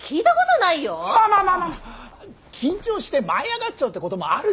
まあまあ緊張して舞い上がっちゃうってこともあるじゃない？